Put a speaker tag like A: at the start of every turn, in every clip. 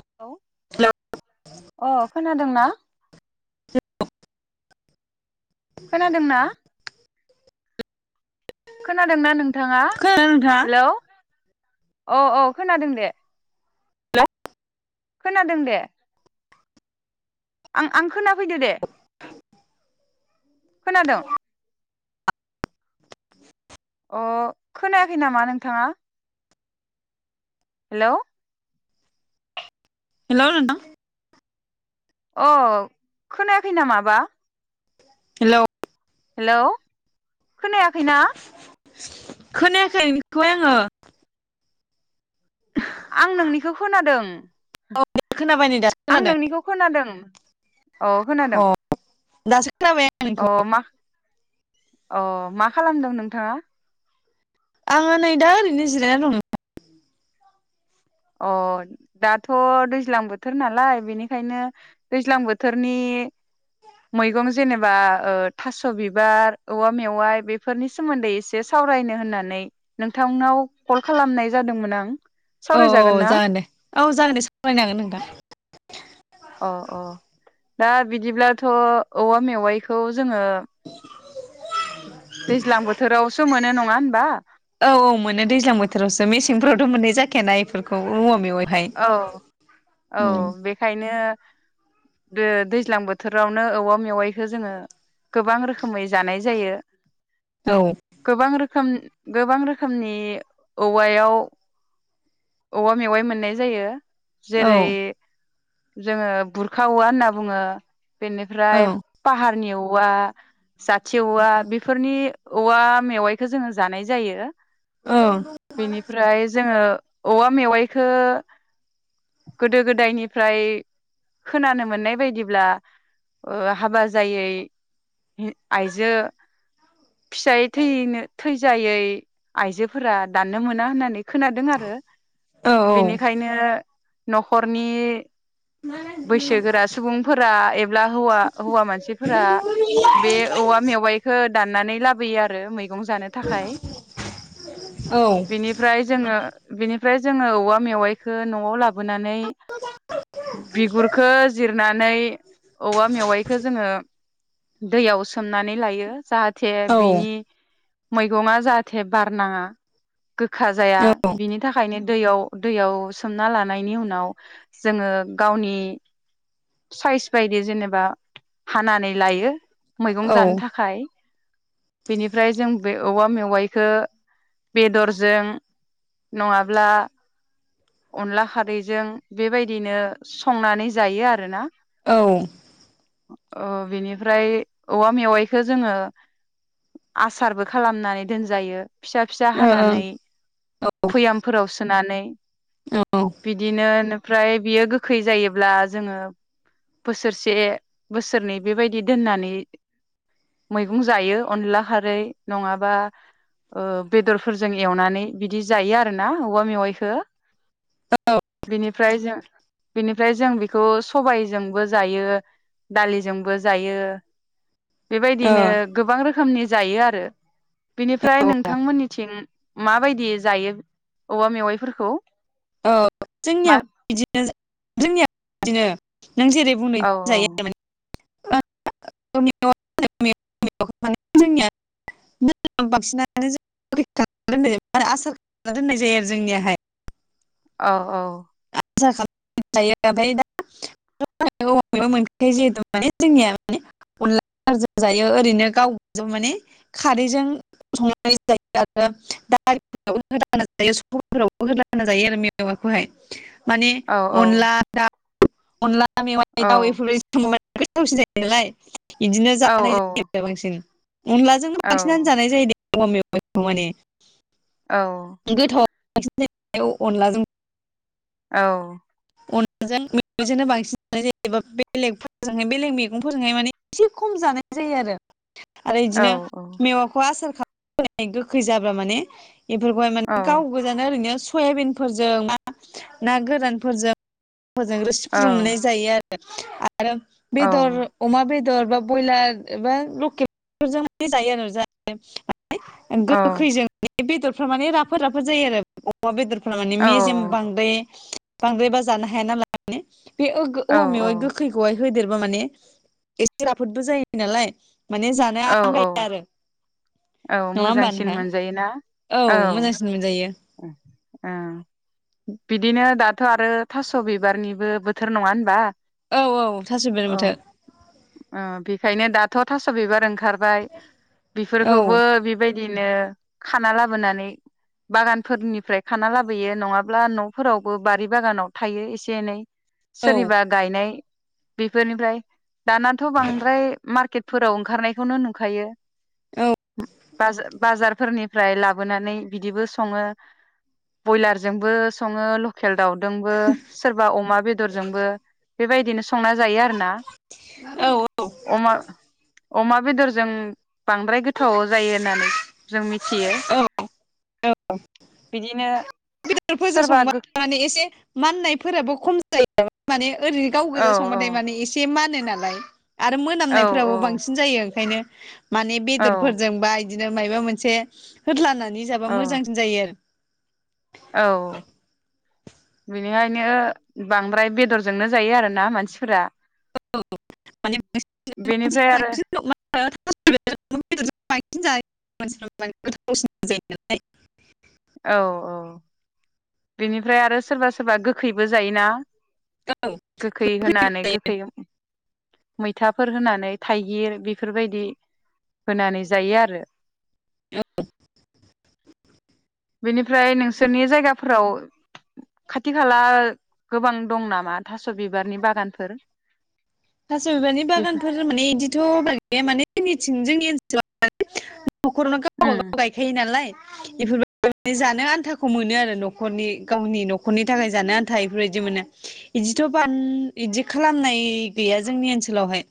A: Hello
B: hello
A: अह खोनादों ना खोनादोंना
B: [inaudible]
A: खोनादोंना नों थाङा
B: खोनादों नोंथाङा
A: हेलौ। औ औ खोनादों दे। खोनादों दे। आं आं खोनाफैदो दे। खोनादों अ खोनायाखै नामा नोंथाङा हेलौ
B: [unintelligible]
A: अ खोनायाखै नामाबा
B: हेलौ
A: हेलौ खोनायाखै ना
B: खोनायाखै खोबाय आङो
A: आं नोंनिखौ खोनादों
B: [unintelligible] खोनाबाय नै दा खोनादों
A: औ खोनादों
B: दासि खोनाबाय आं
A: अ
B: नोंनिखौ
A: मा अ मा खालामदों नोंथाङा
B: आङो नै दा ओरैनो जिरायना दं
A: अ दाथ' दैज्लां बोथोर नालाय बेनिखायनो दैज्लां बोथोरनि मैगं जेनेबा ओ थास' बिबार औवा मेवाइ बेफोरनि सोमोन्दै एसे सावरायनो होननानै नोंथांनाव कल खालामनाय जादोंमोन आं
B: औ
A: सावरायजागोन
B: औ
A: ना
B: जागोन दे औ जागोन दे सावरायनांगोन नोंथां
A: अ अ दा बिदिब्लाथ' औवा मेवाइखौ जोङो दैज्लां बोथोरावसो मोनो नङा होनबा
B: औ औ मोनो दैज्लां बोथोरावसो मेसेंफोरावथ' मोननाय जाखाया ना [unintelligible]
A: औ औ बेखायनो बे दैज्लां बोथोरावनो औवा मेवाइखौ जोङो गोबां रोखोमै जानाय जायो
B: औ
A: गोबां रोखोम गोबां रोखोमनि औवायाव औवा मेवाइ मोननाय जायो
B: औ
A: जेरै जोङो बुरखावा होनना बुङो
B: औ
A: बेनिफ्राय पाहारनियाव वा जाथि औवा बेफोरनि औवा मेवाइखौ जोङो जानाय जायो
B: औ
A: बेनिफ्राय जोङो औवा मेवाइखो गोदो गोदायनिफ्राय खोनानो मोननाय बायदिब्ला ओ हाबा जायै आयजो फिसाय थैनो थैजायै आयजोफोरा दाननो मोना होननानै खोनादों आरो
B: औ
A: बेनि न'खरनि बैसोगोरा सुबुंफोरा एब्ला हौवा हौवा मानसिफोरा बे औवा मेवाइखौ दाननानै लाबोयो। रो मै मैगं जानो थाखाय
B: औ
A: बेनिफ्राय जोंङो बेनि ओमफ्राय जोंङो औवा मेवाइखो न'आव लाबोनानै बिगुरखो जिरनानै औवा मेवाइखौ जोंङो दैयाव सोमनानै लायो जाहाथ थे
B: औ ओ औ
A: बिनि मैगंआ जाहाथे बार नांङा। गोखा जाया बिनि थाखायनो दैयाव दैयाव सोमना लानायनि उनाव जोंङो गावनि साइस बायदि जेनेबा हानानै लायो।
B: औ
A: मैगं जानो थाखाय। बेनिफ्राय जों बे औवा मेवाइखो बेदरजों नंङाब्ला अनला खारैजों बेबायदिनो संनानै जायो आरोना।
B: औ
A: अ बिनिफ्राय औवा मेवाइखौ जोंङो आसारबो खालामनानै दोनजायो। फिसा फिसा हानानै
B: औ
A: फयामफोराव सोनानै बिदिनो फ्राय बियो गोख गोखै जायोब्ला जोंङो बोसोरसे बोसोरनै बेबायदि दोननानै मैगं जायो अनला खारै नंङाबा ओ बेदरफोरजों एवनानै बिदि जायो आरोना औवा मेवाइखो। बिनिफ्राय जों बेनिफ्राय जों बेखौ सबायजोंबो जायो दालिजोंबो जायो।
B: ओ
A: बेबायदिनो गोबां रोखोमनि जायो आरो। बिनिफ्राय
B: औ
A: नोंथांमोननिथिं माबायदि जायो औवा मेवाइफोरखौ?
B: औ
A: मा
B: जोंनियाबो बिदिनो जोंनियाबो बिदिनो। नों जेरै बुंदों
A: औ
B: बेदिनो आरो माने। [inaudible] आसार खालामना दोननाय जायो आरो जोंनियाहाय।
A: औ-औ
B: आसा खालाम जायो ओमफ्राय दा मोनखायो जिहेथु माने जोंनिया माने अनलाजों जायो ओरैनो गावानिया माने खारैजों संनाय जायो आरो दालिफोर जायो सबायफोरावबो होलाना जायो आरो माखौहाय माने
A: औ
B: अनला दाव अनला [unintelligible]
A: औ
B: थावसि जायो नालाय बिदिनो
A: औ
B: जानाय जायो बांसिन अनलाजोंनो बांसिनानो जानाय जायो दे औवा‌ मेवाइखौ माने
A: औ
B: [unintelligible] अनलाजों
A: औ
B: अनलाजों [unintelligible] जोंनो बांसिन जानाय जायो एबा बेलेगफोरजोंहाय बेलेग मैगंफोरजोंहाय माने एसे खम जानाय जायो आरो आरो इदिनो मेवाखौ आसार खा [unintelligible] गोखै जाबा माने बेफोरखौहाय
A: औ
B: माने गाव गोजानो ओरैनो सयाबिनफोरजों मा ना गोरानफोरजों मोजां रोसि
A: औ
B: फुदुंनानै जायो आरो [unintelligible] आरो बेदर अमा बेद दर बा बयलार बा लकेल बेफोरजों माने जायो आरो [unintelligible] [unintelligible]
A: औ
B: गोखैजों माने बेदर फ्रा माने राफोद राफोद जायो आरो अमा बेदर फ्रा माने मेजेम बांद्राय बांद्रायबा जा जानो हाया नालाय [unintelligible] बे ओ गो
A: औ
B: औवा मेवा गोखैखौहाय होदेरबा माने एसे राफोदबो जायो नालाय माने जानो
A: औ औ
B: आंगाया आरो
A: औ
B: नङा होमबा
A: मोजांसिन
B: नोंहा
A: मोनजायोना
B: औ मोजांसिन मोनजायो ।
A: ओ ओ बिदिनो दाथ' आरो थास' बिबारनिबो बोथोर नंङा होनबा
B: औ औ थास बिबारनि
A: औ
B: बोथोर ।
A: ओ बेखायनो दाथ' थास' बिबार ओं खारबाय
B: औ
A: बेफोरखौबो बेबाय बिदिनो खाना लाबोनानै बागानफोरनिफ्राय खाना लाबोयो नंङाब्ला न'फोरावबो बारि बागानाव थायो एसे एनै ।
B: औ
A: सोरनिबा गायनाय बेफोरनिफ्राय दानाथ' बांद्राय मार्केटफोराव ओंखारनायखौनो नुखायो । [unintelligible] बाजा बाजारफोरनिफ्राय लाबोनानै बिदिबो स संङो बयलारजोंबो संङो लके खेल दाउदोंबो सोरबा अमा बेदरजोंबो । बेबायदिनो संना जायो आरो ना
B: औ
A: । अमा अमा बेदरजों बांद्राय गोथाव जायो होननानै जों मिथियो ।
B: औ बेदरफोरजों
A: सोरबा
B: संबा
A: गो
B: माने एसे माननायफोराबो खम जायो माने ओरैनो गाव
A: औ
B: गोजा
A: औ
B: संबाथाय माने एसे मानो । नालाय आरो
A: औ
B: मोनामनायफोराबो बांसिन जायो । ओंखायनो माने
A: औ
B: बेदरफोरजों बा बिदिनो मायबा मोनसे होदलानानै
A: औ
B: मोजांसिन जायो आरो
A: औ बेनिखायनो बांद्राय बेदरजोंनो जायो आरोना मानसिफोरा बेनिफ्राय आरो
B: [inaudible] गोथावसिन जायो नालाय
A: औ औ बेनिफ्राय आरो सोरबा-सोरबा गोखैबो जायोना। गोखै होनानै गोखै मैथाफोर होनानै थाइगिर बेफोरबायदि होनानै जायो आरो बिनिफ फ्राय नोंसोरनि जायगा फोराव खाथि खाला गोबां दं नामा थास' बिबारनि बागानफोर।
B: थास' बिबारनि
A: बेफोर
B: बागानफोर माने इदिथ' बारा गैया माने थिं जोंनि ओनसोल [inaudible] न'खरावनो गावबा
A: उम
B: गाव गायखायो नालाय । [inaudible] जानो आन्थाखौ मोनो आरो न'खरनि गावनि न'खरनि थाखाय जानो आन्था एफोरबायदि मोनो इदिथ' बाम इदि खालामनाय गैया जोंनि ओनसोलावहाय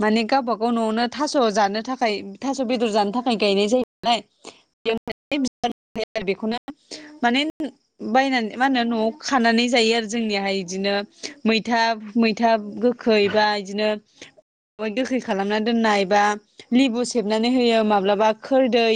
B: माने गावबा गाव न'आवनो थास' जानो थाखाय थास' बेदर जानो थाखाय गायनाय जायो नालाय [inaudible] बेखौनो माने बायनानै मा होनो न'आव खानानै जायो आरो जोंनियाहाय बिदिनो मैथा-मैथा गोख खै बा इदिनो गोखै खालामना दोननाय बा लिबु सेबनानै होयो माब्लाबा खोरदै ।